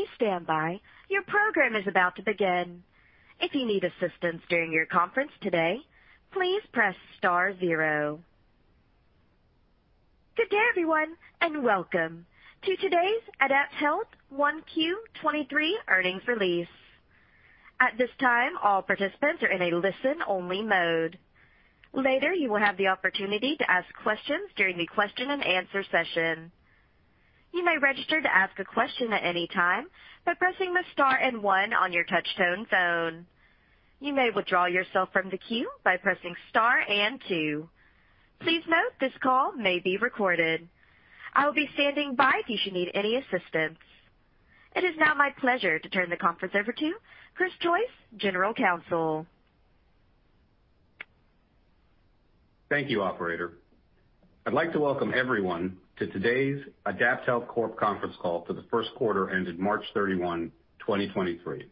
Please stand by. Your program is about to begin. If you need assistance during your conference today, please press star 0. Good day, everyone, welcome to today's AdaptHealth 1Q 23 earnings release. At this time, all participants are in a listen-only mode. Later, you will have the opportunity to ask questions during the question and answer session. You may register to ask a question at any time by pressing the star and 1 on your touchtone phone. You may withdraw yourself from the queue by pressing star and 2. Please note this call may be recorded. I will be standing by if you should need any assistance. It is now my pleasure to turn the conference over to Chris Joyce, General Counsel. Thank you, operator. I'd like to welcome everyone to today's AdaptHealth Corp conference call for the first quarter ended March 31, 2023.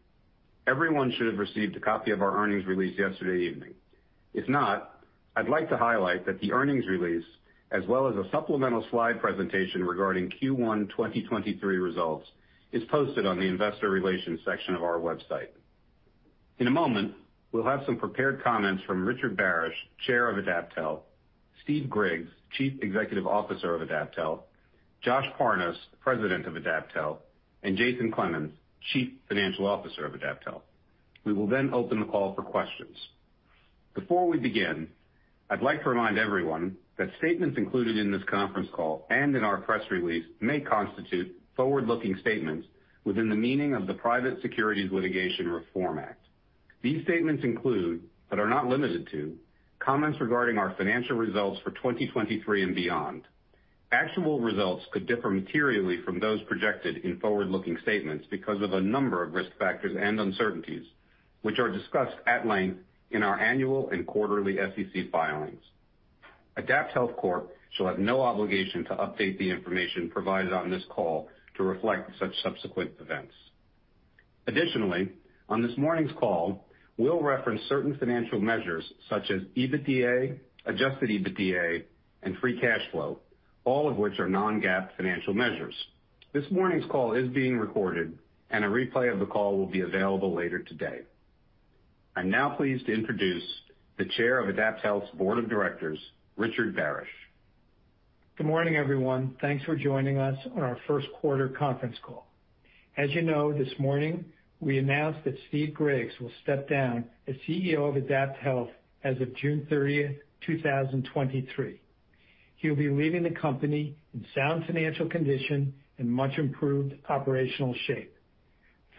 Everyone should have received a copy of our earnings release yesterday evening. If not, I'd like to highlight that the earnings release, as well as a supplemental slide presentation regarding Q1 2023 results, is posted on the investor relations section of our website. In a moment, we'll have some prepared comments from Richard Barasch, Chair of AdaptHealth, Steve Griggs, Chief Executive Officer of AdaptHealth, Josh Parnes, President of AdaptHealth, and Jason Clemens, Chief Financial Officer of AdaptHealth. We will then open the call for questions. Before we begin, I'd like to remind everyone that statements included in this conference call and in our press release may constitute forward-looking statements within the meaning of the Private Securities Litigation Reform Act. These statements include, but are not limited to, comments regarding our financial results for 2023 and beyond. Actual results could differ materially from those projected in forward-looking statements because of a number of risk factors and uncertainties, which are discussed at length in our annual and quarterly SEC filings. AdaptHealth Corp. shall have no obligation to update the information provided on this call to reflect such subsequent events. Additionally, on this morning's call, we'll reference certain financial measures such as EBITDA, adjusted EBITDA, and free cash flow, all of which are non-GAAP financial measures. This morning's call is being recorded and a replay of the call will be available later today. I'm now pleased to introduce the Chair of AdaptHealth's Board of Directors, Richard Barasch. Good morning, everyone. Thanks for joining us on our first quarter conference call. As you know, this morning, we announced that Steve Griggs will step down as CEO of AdaptHealth as of June 30, 2023. He'll be leaving the company in sound financial condition and much improved operational shape.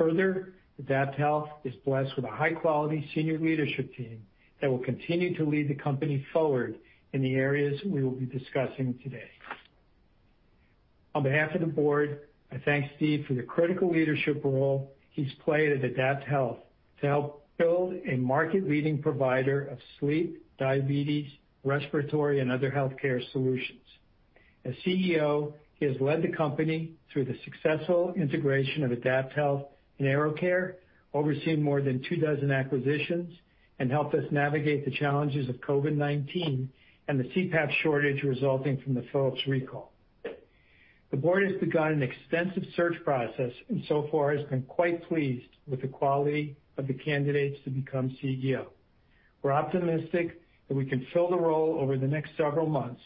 AdaptHealth is blessed with a high-quality senior leadership team that will continue to lead the company forward in the areas we will be discussing today. On behalf of the board, I thank Steve for the critical leadership role he's played at AdaptHealth to help build a market-leading provider of sleep, diabetes, respiratory, and other healthcare solutions. As CEO, he has led the company through the successful integration of AdaptHealth and AeroCare, overseeing more than 2 dozen acquisitions, and helped us navigate the challenges of COVID-19 and the CPAP shortage resulting from the Philips recall. The board has begun an extensive search process and so far has been quite pleased with the quality of the candidates to become CEO. We're optimistic that we can fill the role over the next several months.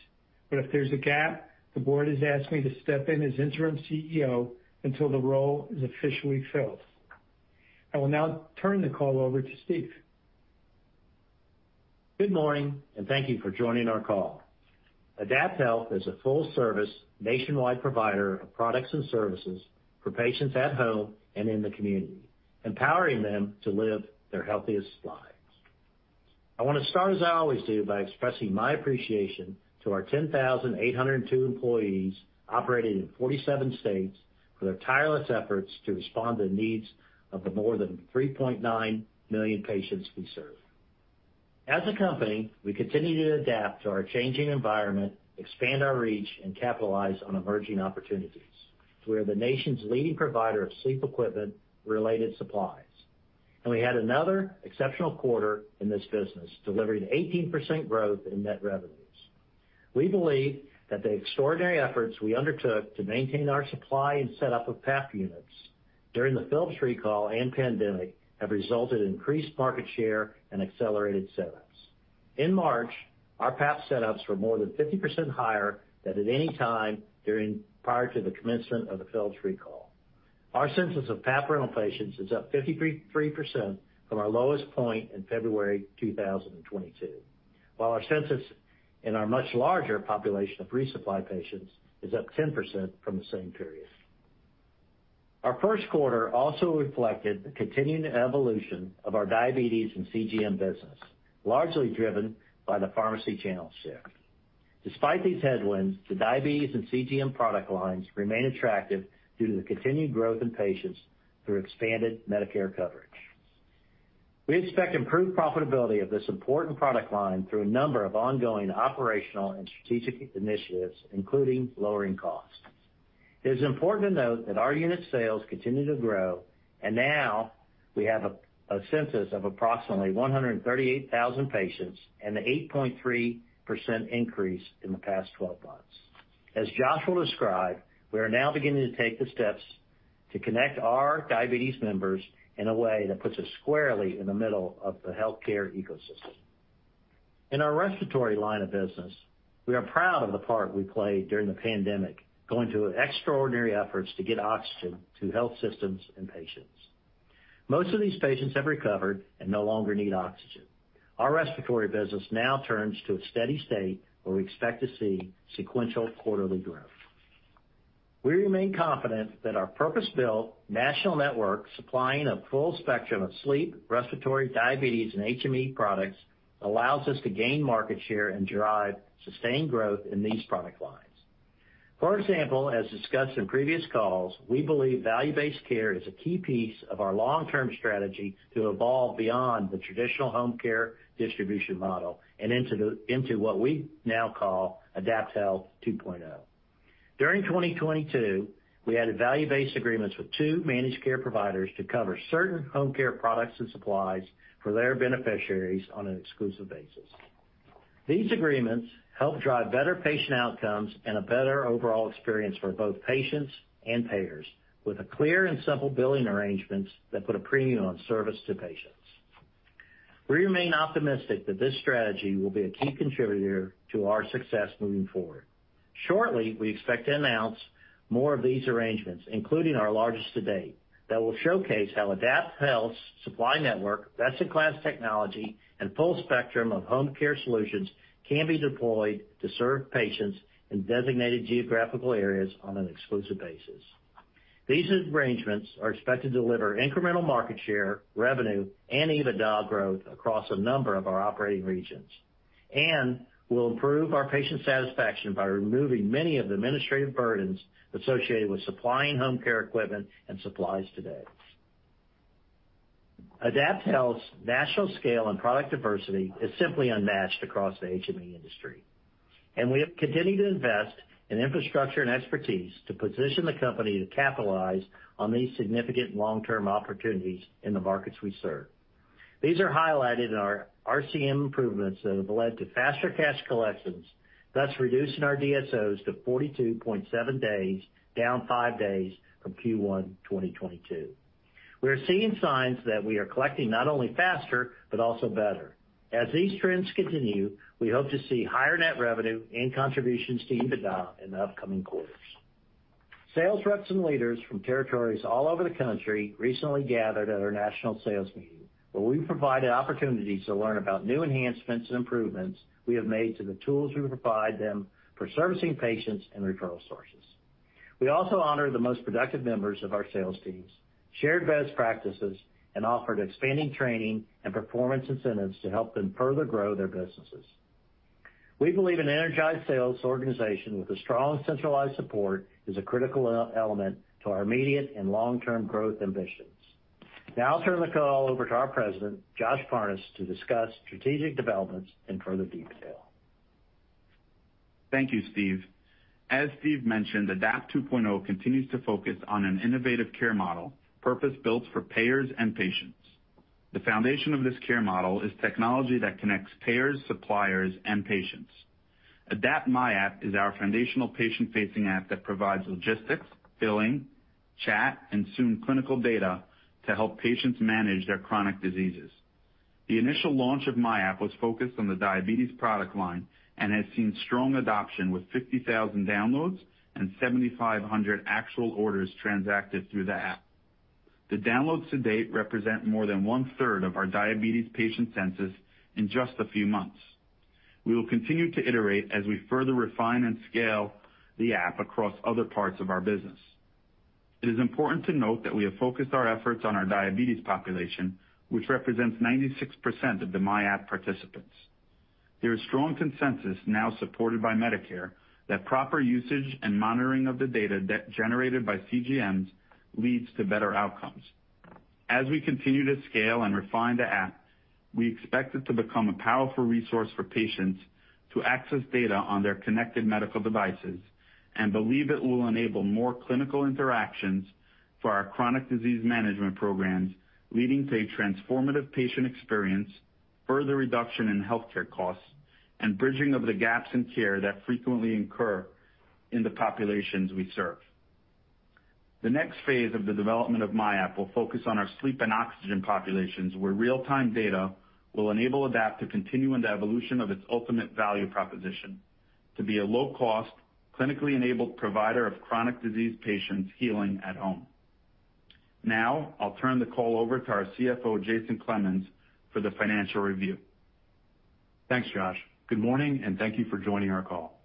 If there's a gap, the board has asked me to step in as interim CEO until the role is officially filled. I will now turn the call over to Steve. Good morning, thank you for joining our call. AdaptHealth is a full-service nationwide provider of products and services for patients at home and in the community, empowering them to live their healthiest lives. I wanna start, as I always do, by expressing my appreciation to our 10,802 employees operating in 47 states for their tireless efforts to respond to the needs of the more than 3.9 million patients we serve. As a company, we continue to adapt to our changing environment, expand our reach, and capitalize on emerging opportunities. We are the nation's leading provider of sleep equipment-related supplies, and we had another exceptional quarter in this business, delivering 18% growth in net revenues. We believe that the extraordinary efforts we undertook to maintain our supply and set up of PAP units during the Philips recall and pandemic have resulted in increased market share and accelerated setups. In March, our PAP setups were more than 50% higher than at any time prior to the commencement of the Philips recall. Our census of PAP rental patients is up 53% from our lowest point in February 2022, while our census in our much larger population of resupply patients is up 10% from the same period. Our first quarter also reflected the continuing evolution of our diabetes and CGM business, largely driven by the pharmacy channel shift. Despite these headwinds, the diabetes and CGM product lines remain attractive due to the continued growth in patients through expanded Medicare coverage. We expect improved profitability of this important product line through a number of ongoing operational and strategic initiatives, including lowering costs. It is important to note that our unit sales continue to grow. Now we have a census of approximately 138,000 patients and the 8.3% increase in the past 12 months. As Josh will describe, we are now beginning to take the steps to connect our diabetes members in a way that puts us squarely in the middle of the healthcare ecosystem. In our respiratory line of business, we are proud of the part we played during the pandemic, going to extraordinary efforts to get oxygen to health systems and patients. Most of these patients have recovered and no longer need oxygen. Our respiratory business now turns to a steady state where we expect to see sequential quarterly growth. We remain confident that our purpose-built national network supplying a full spectrum of sleep, respiratory, diabetes, and HME products allows us to gain market share and drive sustained growth in these product lines. For example, as discussed in previous calls, we believe value-based care is a key piece of our long-term strategy to evolve beyond the traditional home care distribution model and into what we now call AdaptHealth 2.0. During 2022, we added value-based agreements with two managed care providers to cover certain home care products and supplies for their beneficiaries on an exclusive basis. These agreements help drive better patient outcomes and a better overall experience for both patients and payers, with a clear and simple billing arrangements that put a premium on service to patients. We remain optimistic that this strategy will be a key contributor to our success moving forward. Shortly, we expect to announce more of these arrangements, including our largest to date, that will showcase how AdaptHealth's supply network, best-in-class technology, and full spectrum of home care solutions can be deployed to serve patients in designated geographical areas on an exclusive basis. These arrangements are expected to deliver incremental market share, revenue, and EBITDA growth across a number of our operating regions and will improve our patient satisfaction by removing many of the administrative burdens associated with supplying home care equipment and supplies today. AdaptHealth's national scale and product diversity is simply unmatched across the HME industry, and we have continued to invest in infrastructure and expertise to position the company to capitalize on these significant long-term opportunities in the markets we serve. These are highlighted in our RCM improvements that have led to faster cash collections, thus reducing our DSOs to 42.7 days, down 5 days from Q1 2022. We are seeing signs that we are collecting not only faster, but also better. As these trends continue, we hope to see higher net revenue and contributions to EBITDA in the upcoming quarters. Sales reps and leaders from territories all over the country recently gathered at our national sales meeting, where we provided opportunities to learn about new enhancements and improvements we have made to the tools we provide them for servicing patients and referral sources. We also honor the most productive members of our sales teams, shared best practices, and offered expanding training and performance incentives to help them further grow their businesses. We believe an energized sales organization with a strong centralized support is a critical element to our immediate and long-term growth ambitions. I'll turn the call over to our President, Josh Parnes, to discuss strategic developments in further detail. Thank you, Steve. As Steve mentioned, AdaptHealth 2.0 continues to focus on an innovative care model, purpose-built for payers and patients. The foundation of this care model is technology that connects payers, suppliers, and patients. AdaptHealth myAPP is our foundational patient-facing app that provides logistics, billing, chat, and soon, clinical data to help patients manage their chronic diseases. The initial launch of myAPP was focused on the diabetes product line and has seen strong adoption with 50,000 downloads and 7,500 actual orders transacted through the app. The downloads to date represent more than one-third of our diabetes patient census in just a few months. We will continue to iterate as we further refine and scale the app across other parts of our business. It is important to note that we have focused our efforts on our diabetes population, which represents 96% of the myAPP participants. There is strong consensus, now supported by Medicare, that proper usage and monitoring of the data generated by CGMs leads to better outcomes. As we continue to scale and refine the app, we expect it to become a powerful resource for patients to access data on their connected medical devices and believe it will enable more clinical interactions for our chronic disease management programs, leading to a transformative patient experience, further reduction in healthcare costs, and bridging of the gaps in care that frequently incur in the populations we serve. The next phase of the development of myAPP will focus on our sleep and oxygen populations, where real-time data will enable Adapt to continue in the evolution of its ultimate value proposition: to be a low-cost, clinically enabled provider of chronic disease patients healing at home. I'll turn the call over to our CFO, Jason Clemens, for the financial review. Thanks, Josh. Good morning. Thank you for joining our call.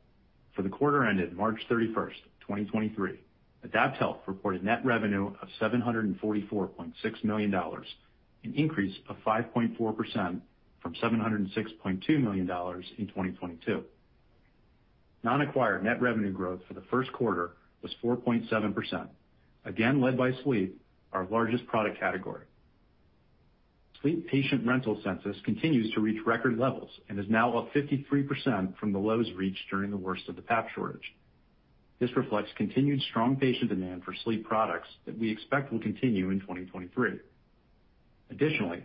For the quarter ended March 31st, 2023, AdaptHealth reported net revenue of $744.6 million, an increase of 5.4% from $706.2 million in 2022. Non-acquired net revenue growth for the first quarter was 4.7%, again led by sleep, our largest product category. Sleep patient rental census continues to reach record levels and is now up 53% from the lows reached during the worst of the PAP shortage. This reflects continued strong patient demand for sleep products that we expect will continue in 2023.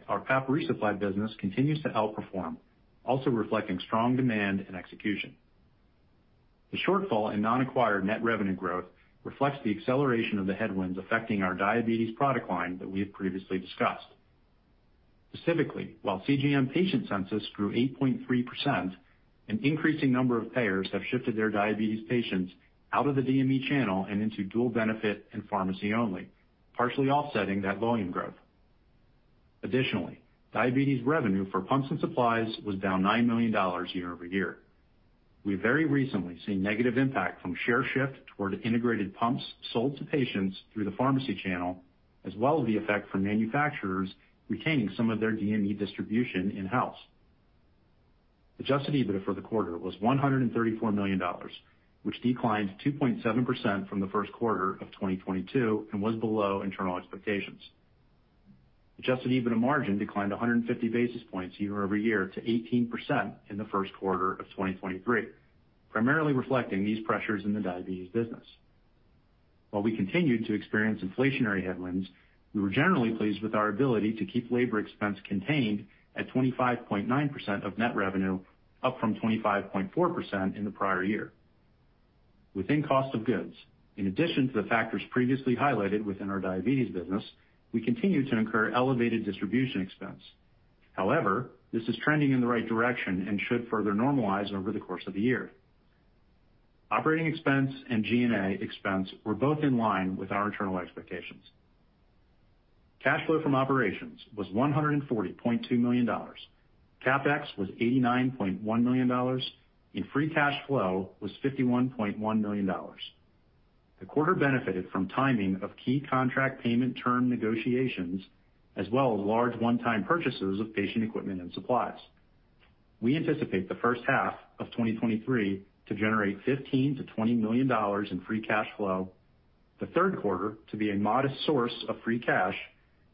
Our PAP resupply business continues to outperform, also reflecting strong demand and execution. The shortfall in non-acquired net revenue growth reflects the acceleration of the headwinds affecting our diabetes product line that we have previously discussed. While CGM patient census grew 8.3%, an increasing number of payers have shifted their diabetes patients out of the DME channel and into dual benefit and pharmacy-only, partially offsetting that volume growth. Diabetes revenue for pumps and supplies was down $9 million year-over-year. We very recently seen negative impact from share shift toward integrated pumps sold to patients through the pharmacy channel, as well as the effect from manufacturers retaining some of their DME distribution in-house. Adjusted EBITDA for the quarter was $134 million, which declined 2.7% from the first quarter of 2022 and was below internal expectations. adjusted EBITDA margin declined 150 basis points year-over-year to 18% in the first quarter of 2023, primarily reflecting these pressures in the diabetes business. While we continued to experience inflationary headwinds, we were generally pleased with our ability to keep labor expense contained at 25.9% of net revenue, up from 25.4% in the prior year. Within cost of goods, in addition to the factors previously highlighted within our diabetes business, we continue to incur elevated distribution expense. However, this is trending in the right direction and should further normalize over the course of the year. Operating expense and G&A expense were both in line with our internal expectations. Cash flow from operations was $140.2 million. CapEx was $89.1 million, and free cash flow was $51.1 million. The quarter benefited from timing of key contract payment term negotiations, as well as large one-time purchases of patient equipment and supplies. We anticipate the first half of 2023 to generate $15 million-$20 million in free cash flow, the third quarter to be a modest source of free cash,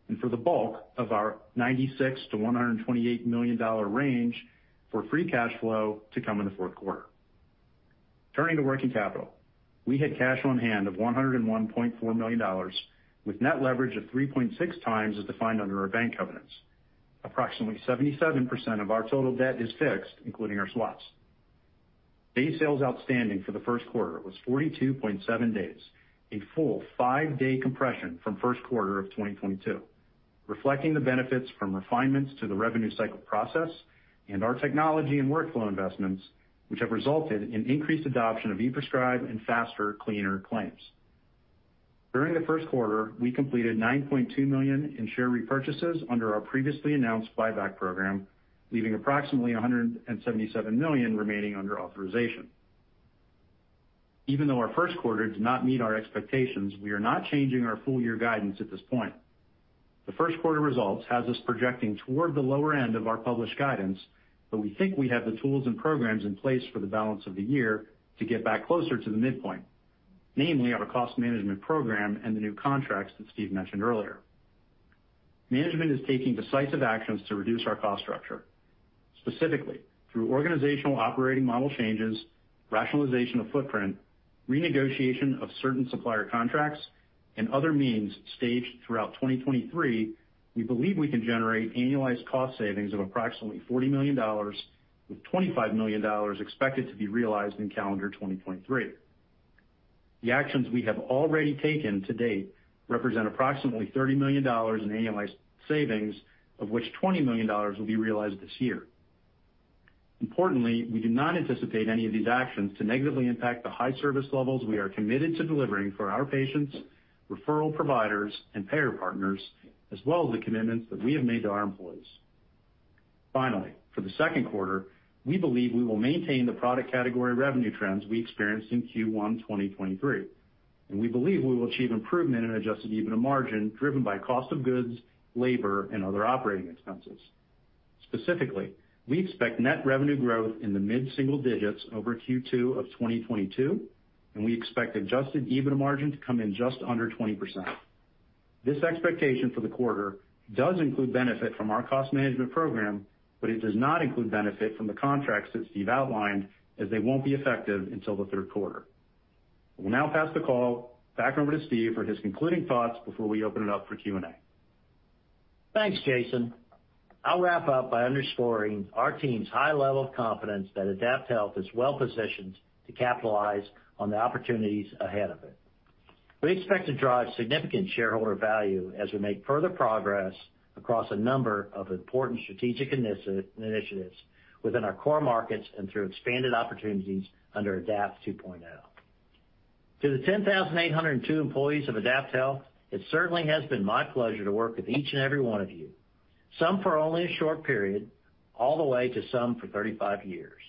and for the bulk of our $96 million-$128 million range for free cash flow to come in the fourth quarter. Turning to working capital. We had cash on hand of $101.4 million with net leverage of 3.6 times as defined under our bank covenants. Approximately 77% of our total debt is fixed, including our swaps. Days Sales Outstanding for the first quarter was 42.7 days, a full five-day compression from first quarter of 2022, reflecting the benefits from refinements to the revenue cycle process and our technology and workflow investments, which have resulted in increased adoption of ePrescribe and faster, cleaner claims. During the first quarter, we completed $9.2 million in share repurchases under our previously announced buyback program, leaving approximately $177 million remaining under authorization. Even though our first quarter did not meet our expectations, we are not changing our full year guidance at this point. The first quarter results has us projecting toward the lower end of our published guidance. We think we have the tools and programs in place for the balance of the year to get back closer to the midpoint, namely our cost management program and the new contracts that Steve mentioned earlier. Management is taking decisive actions to reduce our cost structure. Specifically, through organizational operating model changes, rationalization of footprint, renegotiation of certain supplier contracts and other means staged throughout 2023, we believe we can generate annualized cost savings of approximately $40 million, with $25 million expected to be realized in calendar 2023. The actions we have already taken to date represent approximately $30 million in annualized savings, of which $20 million will be realized this year. Importantly, we do not anticipate any of these actions to negatively impact the high service levels we are committed to delivering for our patients, referral providers and payer partners, as well as the commitments that we have made to our employees. Finally, for the second quarter, we believe we will maintain the product category revenue trends we experienced in Q1 2023, and we believe we will achieve improvement in adjusted EBITDA margin driven by cost of goods, labor and other operating expenses. Specifically, we expect net revenue growth in the mid-single digits over Q2 2022, and we expect adjusted EBITDA margin to come in just under 20%. This expectation for the quarter does include benefit from our cost management program, but it does not include benefit from the contracts that Steve outlined as they won't be effective until the third quarter. I will now pass the call back over to Steve for his concluding thoughts before we open it up for Q&A. Thanks, Jason. I'll wrap up by underscoring our team's high level of confidence that AdaptHealth is well positioned to capitalize on the opportunities ahead of it. We expect to drive significant shareholder value as we make further progress across a number of important strategic initiatives within our core markets and through expanded opportunities under AdaptHealth 2.0. To the 10,802 employees of AdaptHealth, it certainly has been my pleasure to work with each and every one of you, some for only a short period, all the way to some for 35 years.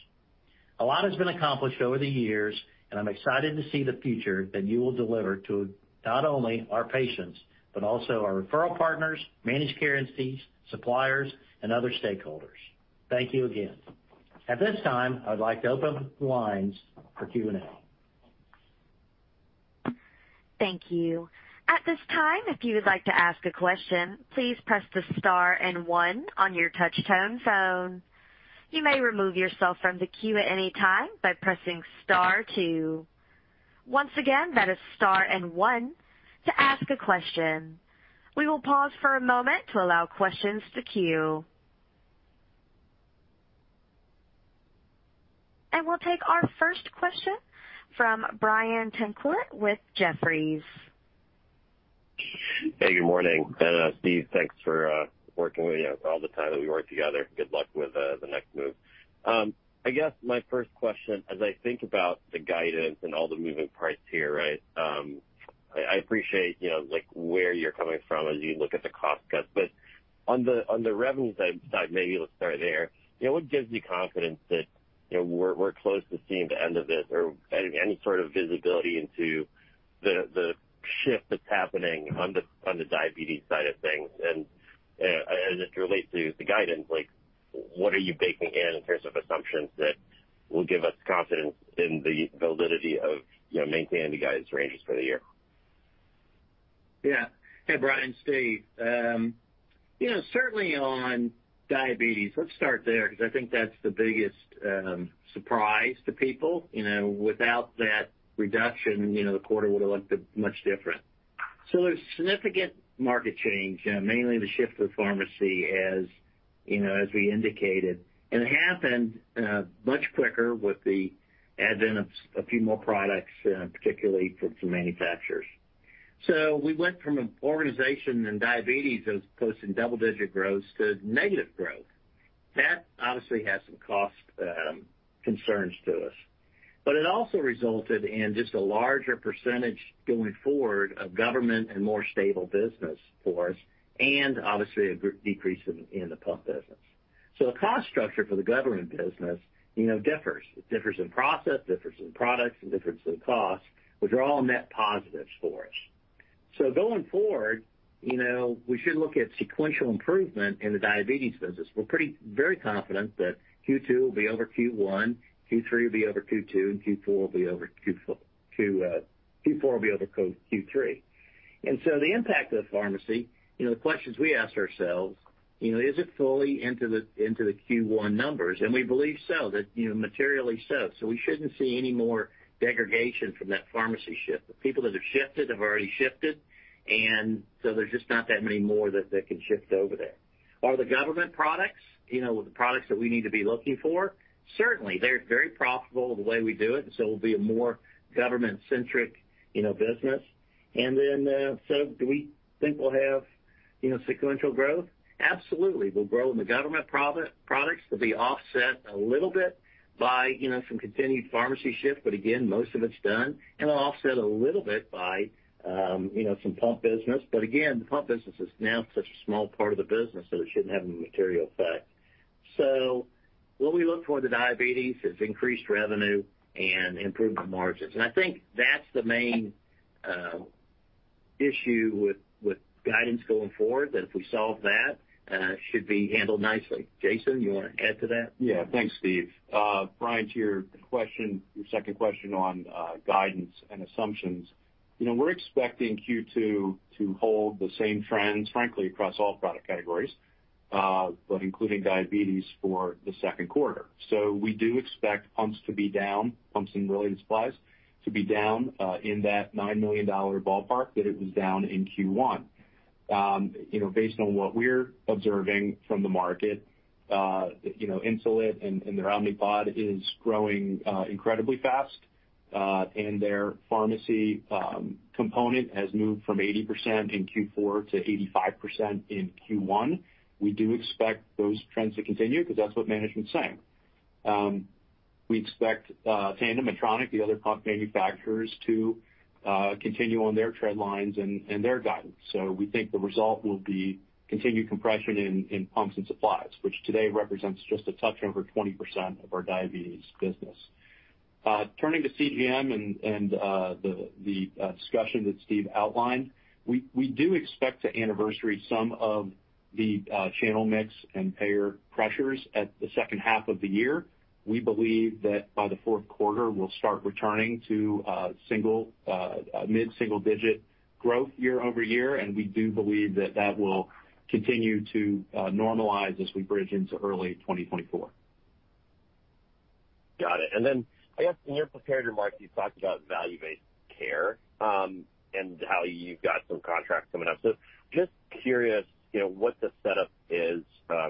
A lot has been accomplished over the years. I'm excited to see the future that you will deliver to not only our patients, but also our referral partners, managed care entities, suppliers and other stakeholders. Thank you again. At this time, I'd like to open lines for Q&A. Thank you. At this time, if you would like to ask a question, please press the star and one on your touch-tone phone. You may remove yourself from the queue at any time by pressing star two. Once again, that is star and one to ask a question. We will pause for a moment to allow questions to queue. We'll take our first question from Brian Tanquilut with Jefferies. Good morning. Steve, thanks for working with me all the time that we work together. Good luck with the next move. I guess my first question, as I think about the guidance and all the moving parts here, right, I appreciate, you know, like, where you're coming from as you look at the cost cuts. On the revenue side, maybe let's start there. You know, what gives you confidence that, you know, we're close to seeing the end of this or any sort of visibility into the shift that's happening on the diabetes side of things? As it relates to the guidance, like what are you baking in terms of assumptions that will give us confidence in the validity of, you know, maintaining the guidance ranges for the year? Yeah. Hey, Brian. Steve. You know, certainly on diabetes, let's start there 'cause I think that's the biggest surprise to people. You know, without that reduction, you know, the quarter would've looked much different. There's significant market change, mainly the shift to pharmacy, as, you know, as we indicated. It happened much quicker with the advent of a few more products, particularly from some manufacturers. We went from an organization in diabetes that was posting double-digit growth to negative growth. That obviously has some cost concerns to us. It also resulted in just a larger percentage going forward of government and more stable business for us and obviously a decrease in the pump business. The cost structure for the government business, you know, differs. It differs in process, it differs in products, it differs in costs, which are all net positives for us. Going forward, you know, we should look at sequential improvement in the diabetes business. We're very confident that Q2 will be over Q1, Q3 will be over Q2, and Q4 will be over Q3. The impact of the pharmacy, you know, the questions we ask ourselves, you know, is it fully into the, into the Q1 numbers? We believe so, that, you know, materially so. We shouldn't see any more degradation from that pharmacy shift. The people that have shifted have already shifted, and so there's just not that many more that can shift over there. Are the government products, you know, the products that we need to be looking for? Certainly. They're very profitable the way we do it'll be a more government-centric, you know, business. Do we think we'll have, you know, sequential growth? Absolutely. We'll grow in the government products. We'll be offset a little bit by, you know, some continued pharmacy shift, most of it's done. We'll offset a little bit by, you know, some pump business, the pump business is now such a small part of the business, it shouldn't have any material effect. What we look for in the diabetes is increased revenue and improved margins. I think that's the main issue with guidance going forward, that if we solve that, it should be handled nicely. Jason, you wanna add to that? Yeah. Thanks, Steve. Brian, to your question, your second question on guidance and assumptions, you know, we're expecting Q2 to hold the same trends, frankly, across all product categories, but including diabetes for the second quarter. We do expect pumps to be down, pumps and related supplies to be down, in that $9 million ballpark that it was down in Q1. You know, based on what we're observing from the market, you know, Insulet and their Omnipod is growing incredibly fast, and their pharmacy component has moved from 80% in Q4 to 85% in Q1. We do expect those trends to continue 'cause that's what management's saying. We expect Tandem, Medtronic, the other pump manufacturers, to continue on their trend lines and their guidance. We think the result will be continued compression in pumps and supplies, which today represents just a touch over 20% of our diabetes business. Turning to CGM and the discussion that Steve outlined, we do expect to anniversary some of the channel mix and payer pressures at the second half of the year. We believe that by the fourth quarter, we'll start returning to single mid-single digit growth year-over-year, and we do believe that that will continue to normalize as we bridge into early 2024. Got it. I guess in your prepared remarks, you talked about value-based care, and how you've got some contracts coming up. Just curious, you know, what the setup is,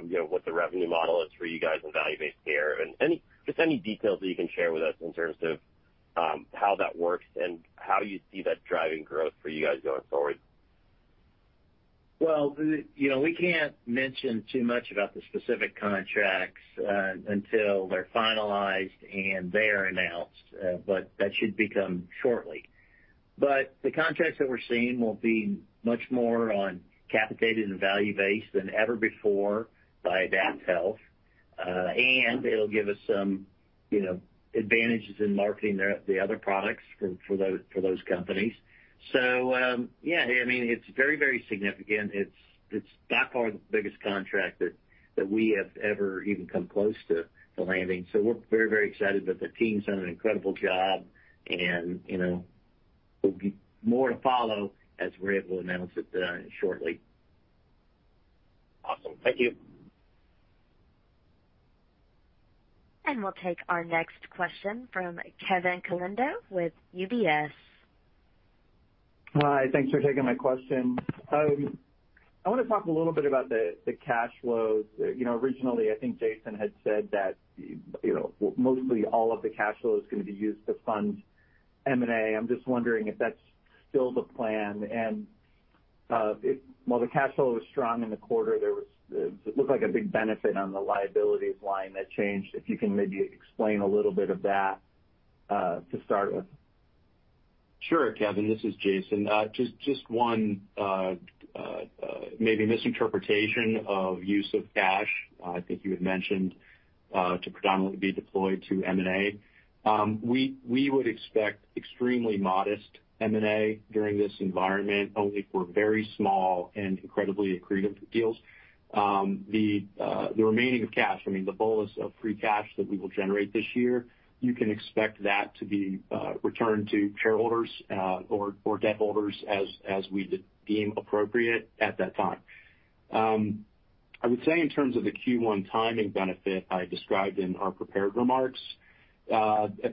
you know, what the revenue model is for you guys in value-based care and just any details that you can share with us in terms of how that works and how you see that driving growth for you guys going forward? You know, we can't mention too much about the specific contracts, until they're finalized and they are announced, but that should be coming shortly. The contracts that we're seeing will be much more on capitated and value based than ever before by AdaptHealth, and it'll give us some, you know, advantages in marketing their, the other products for those companies. Yeah, I mean, it's very, very significant. It's by far the biggest contract that we have ever even come close to landing. We're very, very excited that the team's done an incredible job and, you know, there'll be more to follow as we're able to announce it, shortly. Awesome. Thank you. We'll take our next question from Kevin Caliendo with UBS. Hi. Thanks for taking my question. I wanna talk a little bit about the cash flows. You know, originally, I think Jason had said that, you know, mostly all of the cash flow is gonna be used to fund M&A. I'm just wondering if that's still the plan. While the cash flow was strong in the quarter, it looked like a big benefit on the liabilities line that changed. If you can maybe explain a little bit of that to start with. Sure, Kevin. This is Jason. just one, maybe misinterpretation of use of cash, I think you had mentioned to predominantly be deployed to M&A. We would expect extremely modest M&A during this environment only for very small and incredibly accretive deals. The remaining of cash, I mean, the bolus of free cash that we will generate this year, you can expect that to be returned to shareholders or debtholders as we deem appropriate at that time. I would say in terms of the Q1 timing benefit I described in our prepared remarks,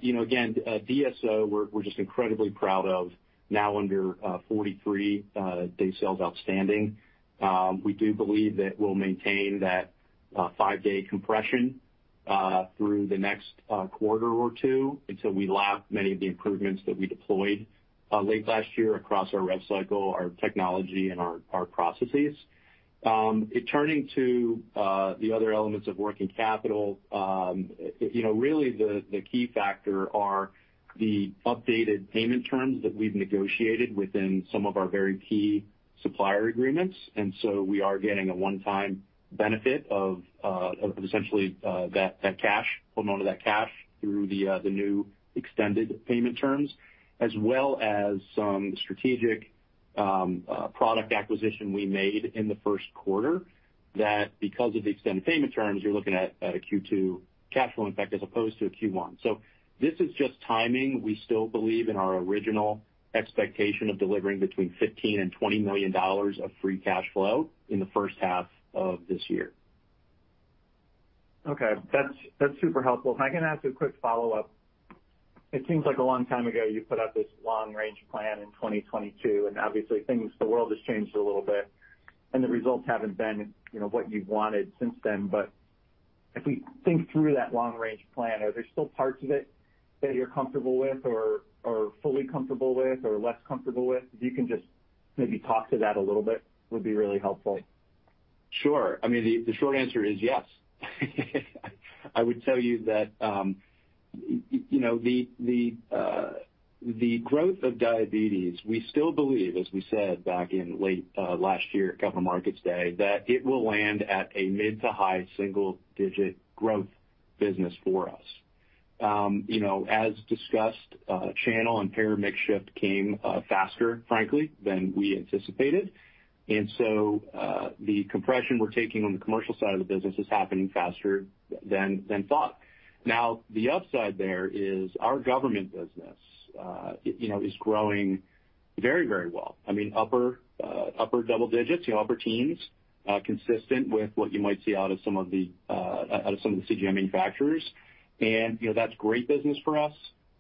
you know, again, at DSO, we're just incredibly proud of now under 43 Days Sales Outstanding. We do believe that we'll maintain that 5-day compression through the next quarter or two until we lap many of the improvements that we deployed late last year across our rev cycle, our technology, and our processes. Turning to the other elements of working capital, really the key factor are the updated payment terms that we've negotiated within some of our very key supplier agreements. We are getting a 1-time benefit of essentially that cash holding onto that cash through the new extended payment terms, as well as some strategic product acquisition we made in the 1st quarter that because of the extended payment terms, you're looking at a Q2 cash flow impact as opposed to a Q1. This is just timing. We still believe in our original expectation of delivering between $15 million and $20 million of free cash flow in the first half of this year. Okay. That's super helpful. If I can ask a quick follow-up. It seems like a long time ago you put out this long-range plan in 2022, and obviously the world has changed a little bit, and the results haven't been, you know, what you wanted since then. If we think through that long-range plan, are there still parts of it that you're comfortable with or fully comfortable with or less comfortable with? If you can just maybe talk to that a little bit, would be really helpful. Sure. I mean, the short answer is yes. I would tell you that, you know, the growth of diabetes, we still believe, as we said back in late last year at Capital Markets Day, that it will land at a mid to high single-digit growth business for us. You know, as discussed, channel and payer mix shift came faster, frankly, than we anticipated. The compression we're taking on the commercial side of the business is happening faster than thought. The upside there is our government business, you know, is growing very, very well. I mean, upper double digits, you know, upper teens, consistent with what you might see out of some of the CGM manufacturers. You know, that's great business for us.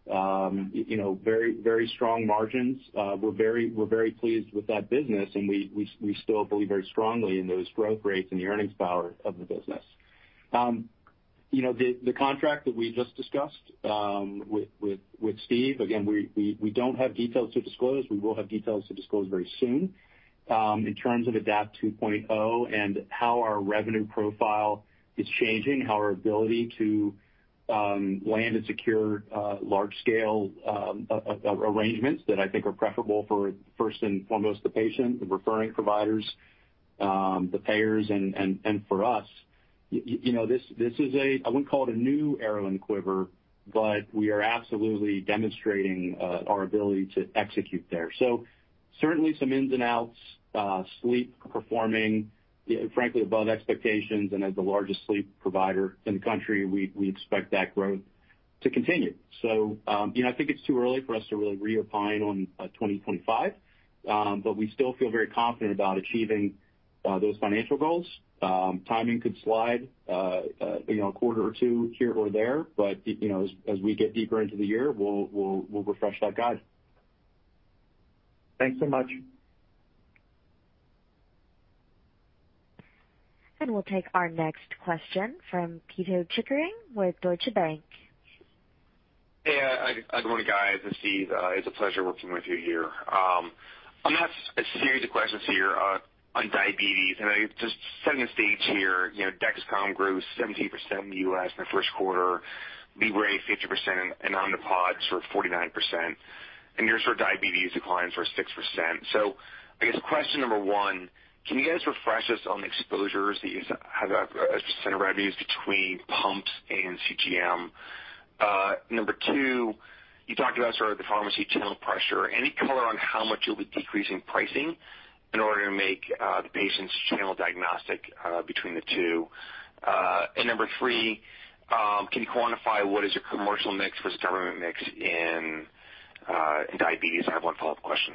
You know, very, very strong margins. We're very, very pleased with that business, and we still believe very strongly in those growth rates and the earnings power of the business. You know, the contract that we just discussed with Steve, again, we don't have details to disclose. We will have details to disclose very soon. In terms of Adapt 2.0 and how our revenue profile is changing, how our ability to land and secure large scale arrangements that I think are preferable for first and foremost the patient, the referring providers, the payers and for us, you know, this is a, I wouldn't call it a new arrow in quiver, but we are absolutely demonstrating our ability to execute there. Certainly some ins and outs, sleep performing, frankly, above expectations. As the largest sleep provider in the country, we expect that growth to continue. You know, I think it's too early for us to really re-opine on 2025. We still feel very confident about achieving those financial goals. Timing could slide, you know, a quarter or two here or there, but, you know, as we get deeper into the year, we'll refresh that guide. Thanks so much. We'll take our next question from Pito Chickering with Deutsche Bank. Hey, good morning, guys. It's Steve. It's a pleasure working with you here. I'm gonna ask a series of questions here on diabetes. I just setting the stage here, you know, Dexcom grew 17% in the U.S. in the first quarter. Libre 50%, and on the Pods were 49%. Your sort of diabetes declines were 6%. I guess question number one, can you guys refresh us on the exposures that you guys have as a percent of revenues between pumps and CGM? Number two, you talked about sort of the pharmacy channel pressure. Any color on how much you'll be decreasing pricing in order to make the patients channel diagnostic between the two? Number three, can you quantify what is your commercial mix versus government mix in diabetes? I have one follow-up question.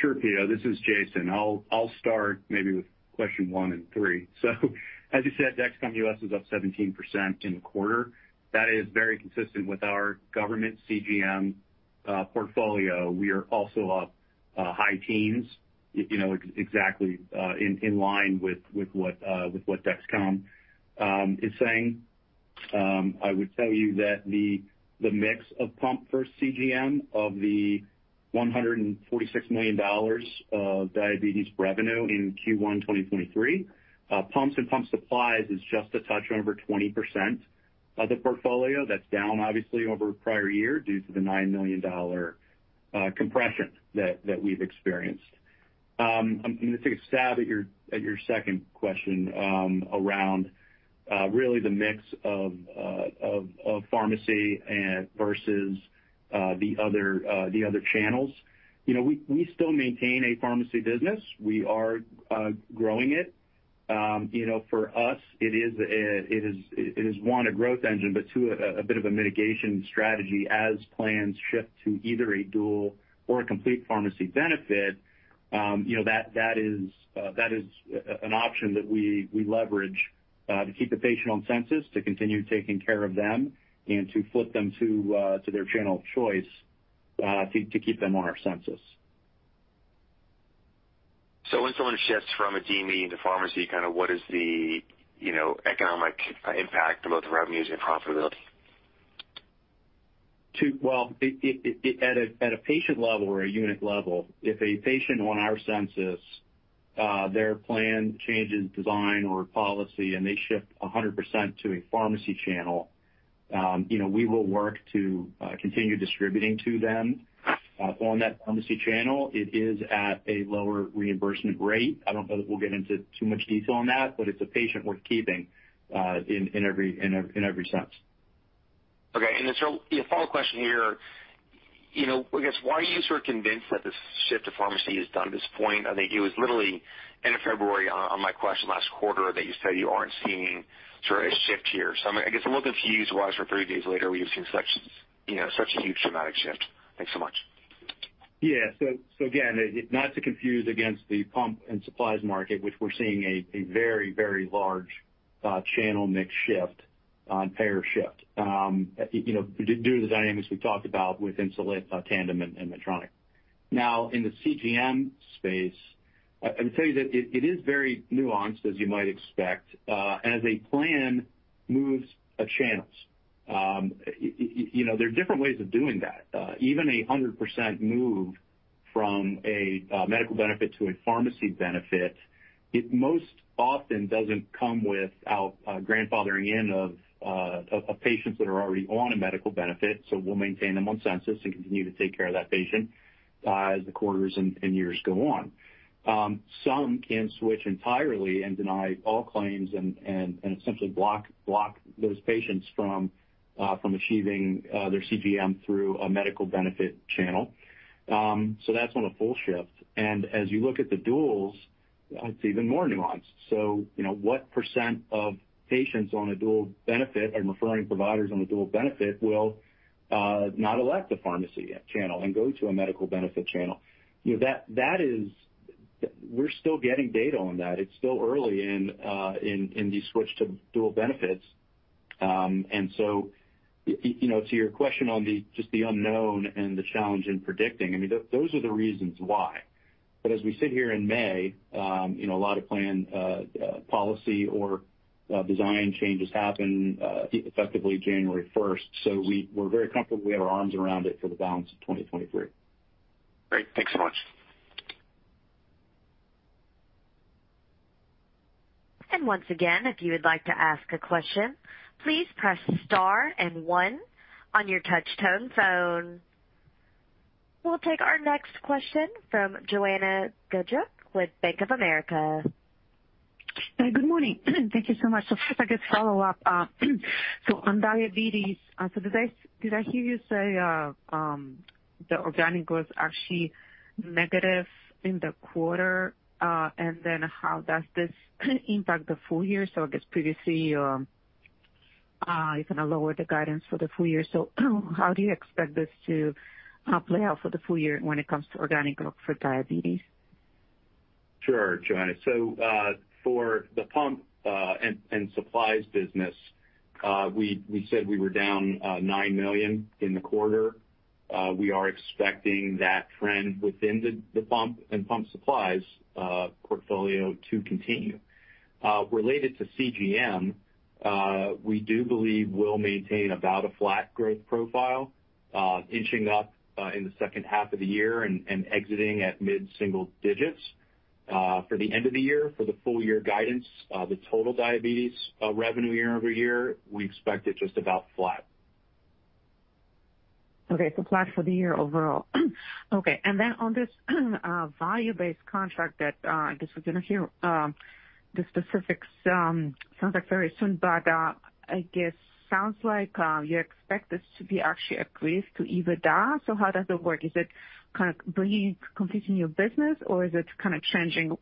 Sure, Pito. This is Jason. I'll start maybe with question 1 and 3. As you said, Dexcom US is up 17% in the quarter. That is very consistent with our government CGM portfolio. We are also up high teens, you know, exactly in line with what with what Dexcom is saying. I would tell you that the mix of pump first CGM of the $146 million of diabetes revenue in Q1 2023, pumps and pump supplies is just a touch over 20% of the portfolio. That's down obviously over prior year due to the $9 million compression that we've experienced. I'm gonna take a stab at your, at your second question, around really the mix of pharmacy and versus the other, the other channels. You know, we still maintain a pharmacy business. We are growing it. You know, for us, it is, it is, one, a growth engine, but two, a bit of a mitigation strategy as plans shift to either a dual or a complete pharmacy benefit. You know, that is an option that we leverage to keep the patient on census, to continue taking care of them and to flip them to their channel of choice, to keep them on our census. When someone shifts from a DME into pharmacy, kind of what is the, you know, economic impact on both revenues and profitability? Well, at a patient level or a unit level, if a patient on our census, their plan changes design or policy and they shift 100% to a pharmacy channel, you know, we will work to continue distributing to them on that pharmacy channel. It is at a lower reimbursement rate. I don't know that we'll get into too much detail on that, but it's a patient worth keeping in every sense. Okay. A follow question here. You know, I guess why are you sort of convinced that this shift to pharmacy is done at this point? I think it was literally end of February on my question last quarter that you said you aren't seeing sort of a shift here. I'm, I guess, I'm looking for you to advise for 30 days later where you've seen such, you know, such a huge dramatic shift. Thanks so much. Again, not to confuse against the pump and supplies market, which we're seeing a very large channel mix shift on payer shift, you know, due to the dynamics we talked about with Insulet, Tandem and Medtronic. In the CGM space, I would tell you that it is very nuanced as you might expect. As a plan moves a channels, you know, there are different ways of doing that. Even a 100% move from a medical benefit to a pharmacy benefit, it most often doesn't come without grandfathering in of patients that are already on a medical benefit. We'll maintain them on census and continue to take care of that patient as the quarters and years go on. Some can switch entirely and deny all claims and essentially block those patients from achieving their CGM through a medical benefit channel. That's on a full shift. As you look at the duals, it's even more nuanced. You know, what % of patients on a dual benefit and referring providers on a dual benefit will not elect the pharmacy channel and go to a medical benefit channel? You know, we're still getting data on that. It's still early in the switch to dual benefits. You know, to your question on the just the unknown and the challenge in predicting, I mean, those are the reasons why. As we sit here in May, you know, a lot of plan policy or design changes happen effectively January first. We're very comfortable we have our arms around it for the balance of 2023. Great. Thanks so much. Once again, if you would like to ask a question, please press star and 1 on your touch tone phone. We'll take our next question from Joanna Gajuk with Bank of America. Hi. Good morning. Thank you so much. If I could follow up, so on diabetes, did I hear you say, the organic was actually negative in the quarter? How does this impact the full year? I guess previously, you kind of lowered the guidance for the full year. How do you expect this to play out for the full year when it comes to organic growth for diabetes? Sure, Joanna. For the pump, and supplies business, we said we were down $9 million in the quarter. We are expecting that trend within the pump and pump supplies portfolio to continue. Related to CGM, we do believe we'll maintain about a flat growth profile, inching up in the second half of the year and exiting at mid-single digits. For the end of the year, for the full year guidance, the total diabetes revenue year-over-year, we expect it just about flat. Okay. Flat for the year overall. Okay. Then on this, value-based contract that, I guess we're gonna hear, the specifics, sounds like very soon, but, I guess sounds like, you expect this to be actually accretive to EBITDA. How does it work? Is it kind of bringing completing your business, or is it kind of changing,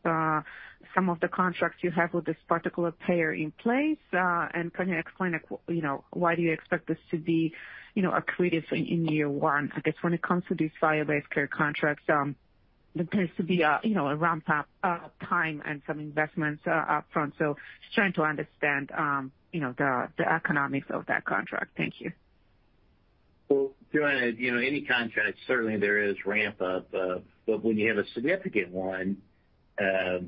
some of the contracts you have with this particular payer in place? Can you explain, you know, why do you expect this to be, you know, accretive in year 1, I guess when it comes to these value-based care contracts, There seems to be a, you know, a ramp up, time and some investments up front. Just trying to understand, you know, the economics of that contract. Thank you. Well, Joanna, you know, any contract, certainly there is ramp up. When you have a significant one, then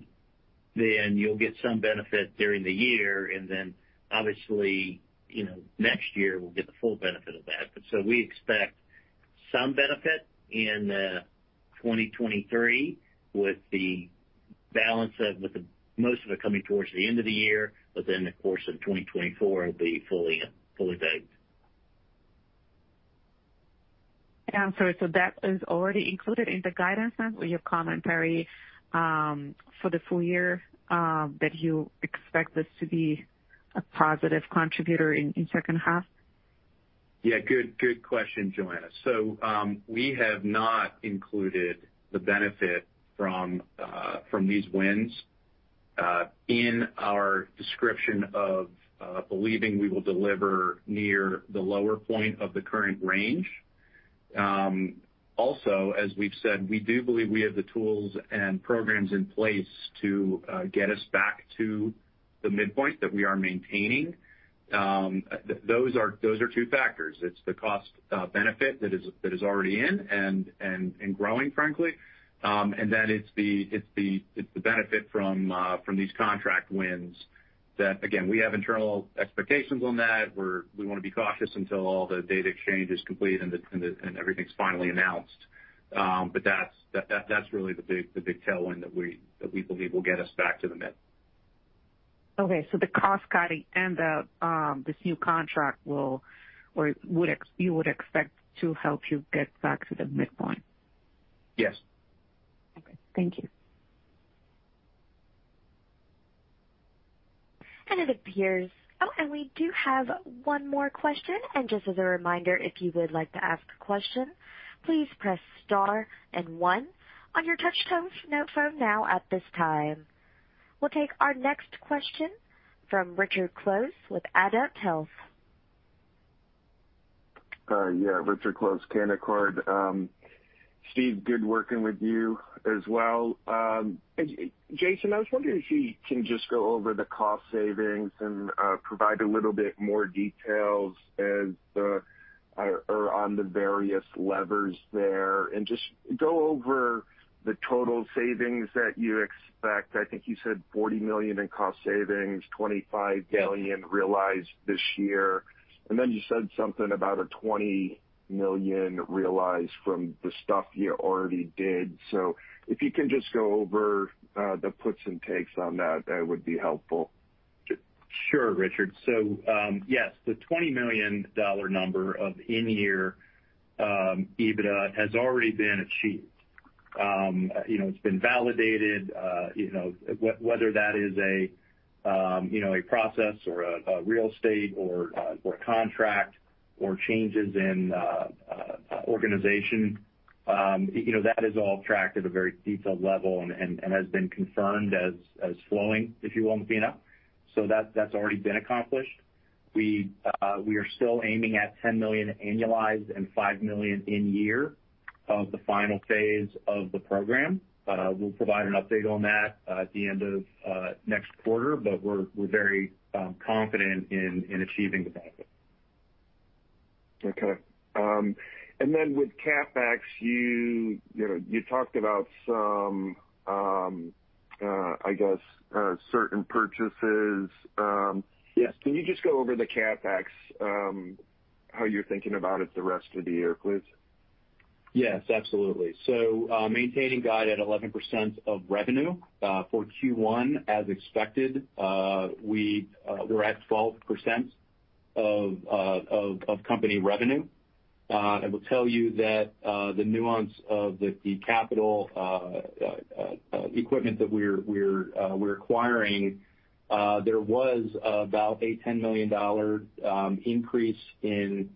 you'll get some benefit during the year, and then obviously, you know, next year we'll get the full benefit of that. We expect some benefit in 2023 with the most of it coming towards the end of the year, but then the course of 2024, it'll be fully baked. I'm sorry, so that is already included in the guidance then with your commentary, for the full year, that you expect this to be a positive contributor in second half? Yeah, good question, Joanna. We have not included the benefit from from these wins in our description of believing we will deliver near the lower point of the current range. Also, as we've said, we do believe we have the tools and programs in place to get us back to the midpoint that we are maintaining. Those are, those are two factors. It's the cost benefit that is already in and growing, frankly. And that it's the benefit from from these contract wins that, again, we have internal expectations on that. We wanna be cautious until all the data exchange is complete and the and everything's finally announced. That's really the big tailwind that we believe will get us back to the mid. The cost cutting and the this new contract you would expect to help you get back to the midpoint? Yes. Okay. Thank you. It appears. Oh, we do have one more question. Just as a reminder, if you would like to ask a question, please press star and one on your touch tone phone now at this time. We'll take our next question from Richard Close with Canaccord Genuity. Yeah, Richard Close, Canaccord. Steve, good working with you as well. Jason, I was wondering if you can just go over the cost savings and provide a little bit more details or on the various levers there and just go over the total savings that you expect. I think you said $40 million in cost savings, $25 million realized this year. Then you said something about a $20 million realized from the stuff you already did. If you can just go over the puts and takes on that would be helpful. Sure, Richard. Yes, the $20 million number of in-year EBITDA has already been achieved. You know, it's been validated, you know, whether that is a, you know, a process or a real estate or a contract or changes in organization. You know, that is all tracked at a very detailed level and has been confirmed as flowing, if you will, uncertain. That's already been accomplished. We are still aiming at $10 million annualized and $5 million in year of the final phase of the program. We'll provide an update on that at the end of next quarter, but we're very confident in achieving the benefit. Okay. With CapEx, you know, you talked about some, I guess, certain purchases. Yes. Can you just go over the CapEx, how you're thinking about it the rest of the year, please? Yes, absolutely. Maintaining guide at 11% of revenue for Q1 as expected, we're at 12% of company revenue. I will tell you that the nuance of the capital equipment that we're acquiring, there was about a $10 million increase in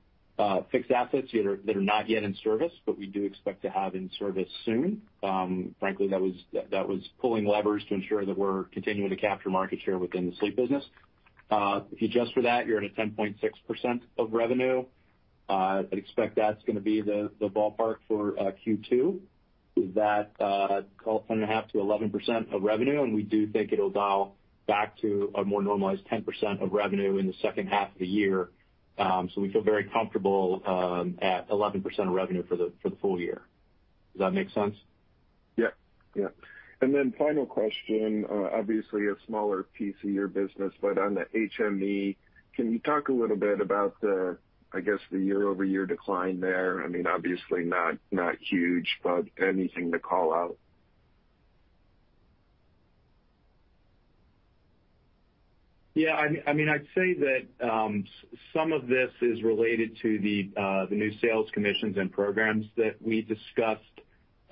fixed assets that are not yet in service, but we do expect to have in service soon. Frankly, that was pulling levers to ensure that we're continuing to capture market share within the sleep business. If you adjust for that, you're at a 10.6% of revenue. I'd expect that's gonna be the ballpark for Q2, is that, call it 10.5%-11% of revenue, and we do think it'll dial back to a more normalized 10% of revenue in the second half of the year. We feel very comfortable at 11% of revenue for the, for the full year. Does that make sense? Yeah. Yeah. Then final question. Obviously a smaller piece of your business, but on the HME, can you talk a little bit about the, I guess, the year-over-year decline there? I mean, obviously not huge, but anything to call out? I mean, I'd say that some of this is related to the new sales commissions and programs that we discussed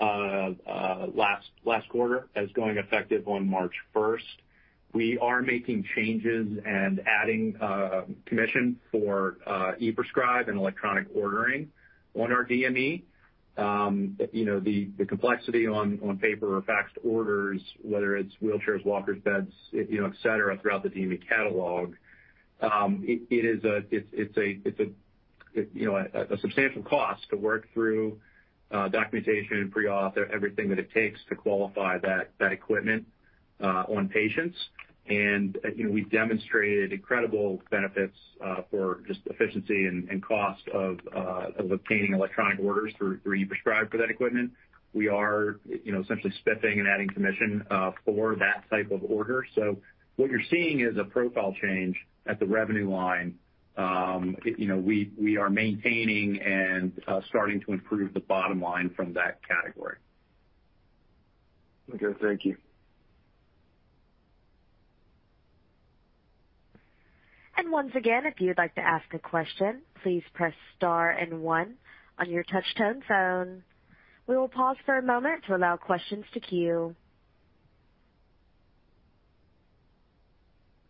last quarter as going effective on March 1st. We are making changes and adding commission for ePrescribe and electronic ordering on our DME. You know, the complexity on paper or faxed orders, whether it's wheelchairs, walkers, beds, you know, et cetera, throughout the DME catalogue, it's a substantial cost to work through documentation, pre-auth, everything that it takes to qualify that equipment on patients. You know, we've demonstrated incredible benefits for just efficiency and cost of obtaining electronic orders through ePrescribe for that equipment. We are, you know, essentially spiffing and adding commission, for that type of order. What you're seeing is a profile change at the revenue line. You know, we are maintaining and starting to improve the bottom line from that category. Okay. Thank you. Once again, if you'd like to ask a question, please press star 1 on your touch tone phone. We will pause for a moment to allow questions to queue.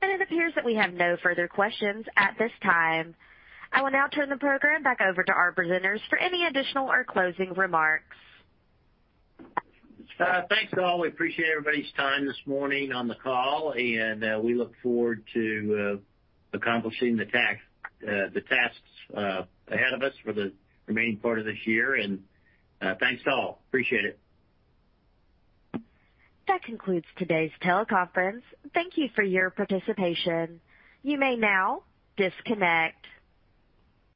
It appears that we have no further questions at this time. I will now turn the program back over to our presenters for any additional or closing remarks. Thanks, all. We appreciate everybody's time this morning on the call, and we look forward to accomplishing the tasks ahead of us for the remaining part of this year. Thanks to all. Appreciate it. That concludes today's teleconference. Thank you for your participation. You may now disconnect.